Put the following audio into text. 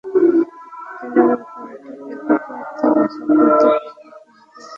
Trinamool committee একক প্রার্থী বাছাই করতে পারলে কেন্দ্রীয় বোর্ড দ্বিমত করবে না।